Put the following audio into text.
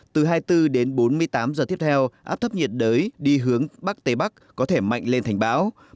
từ hai mươi bốn h đến bốn mươi tám h tiếp theo áp thấp nhiệt đới đi hướng bắc tây bắc có thể mạnh lên thành báo